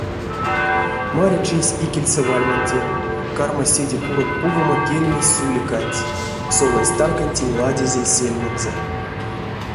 Маря чийсь икельце вальмантень, кармась седе курок пувамо кельмезь суликанть, солазь таркантень ладизе сельмензэ.